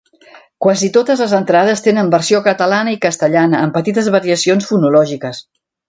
Quasi totes les entrades tenen versió catalana i castellana amb petites variacions fonològiques.